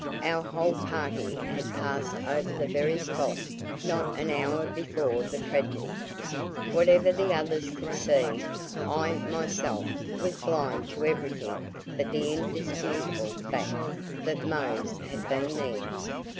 Our whole party had passed over the very spot not an hour before the tragedy. Whatever the others could see, I, myself, was blind to everything but the indisputable fact that Mose had been there.